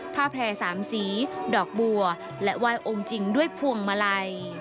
แพร่สามสีดอกบัวและไหว้องค์จริงด้วยพวงมาลัย